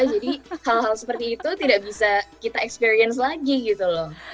jadi hal hal seperti itu tidak bisa kita experience lagi gitu loh